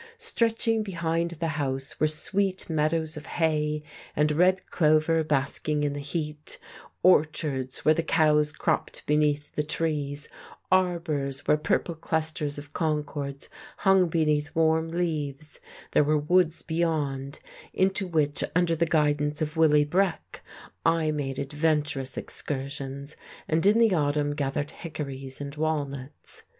Stretching behind the house were sweet meadows of hay and red clover basking in the heat, orchards where the cows cropped beneath the trees, arbours where purple clusters of Concords hung beneath warm leaves: there were woods beyond, into which, under the guidance of Willie Breck, I made adventurous excursions, and in the autumn gathered hickories and walnuts.